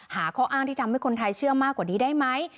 ข้ออ้างที่ทำให้คนไทยเชื่อมากกว่านี้ได้ไหม